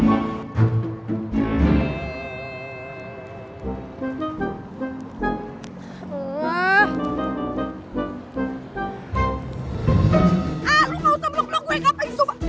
ah lu gak usah blok blok gue ngapain sobat